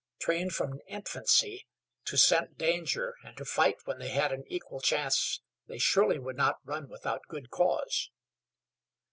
Trained from infancy to scent danger and to fight when they had an equal chance they surely would not run without good cause.